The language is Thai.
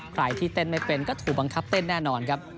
ใครที่เต้นไม่เป็นก็ถูกบังคับเต้นแน่นอนครับ